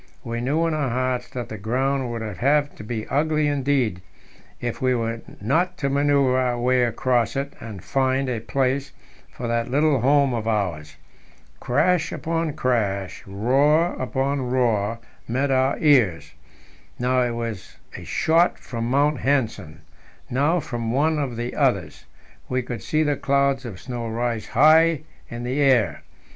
We knew in our hearts that the ground would have to be ugly indeed if we were not to manoeuvre our way across it and find a place for that little home of ours. Crash upon crash, roar upon roar, met our ears. Now it was a shot from Mount Nansen, now from one of the others; we could see the clouds of snow rise high into the air.